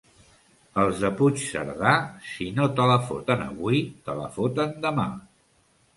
Els de Puigcerdà, si no te la foten avui, te la foten demà.